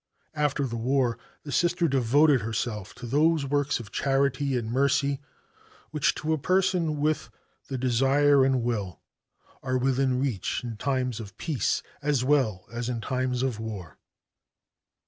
After the war the Sister devoted herself to those works of charity and mercy, which to a person with the desire and will are within reach in times of peace as well as in times of war.